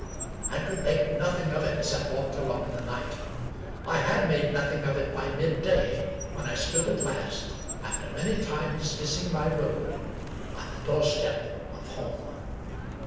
I could make nothing of it as I walked along in the night; I had made nothing by it by midday — ^when I stood at last, after many times missing my road, on the doorstep of home.